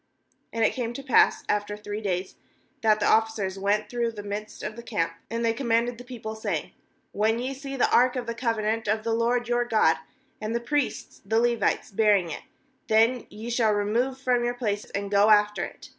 2And it came to pass after three days, that the officers went through the midst of the camp; 3and they com manded the people, saying: 'When ye see the ark of the covenant of the LORD your God, and the priests the Levites bearing it, then ye shall re move from your place, and go after it.